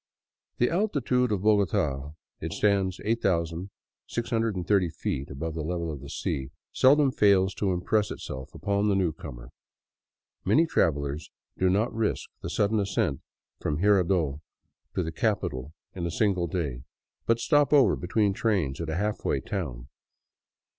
The altitude of Bogota — it stands 8630 feet above the level of the sea — seldom fails to impress itself upon the newcomer. Many travelers do not risk the sudden ascent from Jirardot to the capital in a single day, but stop over between trains at a halfway town.